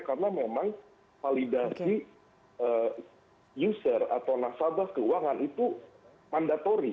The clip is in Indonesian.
karena memang validasi user atau nasabah keuangan itu mandatori